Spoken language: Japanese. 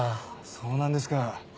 そうなんですか。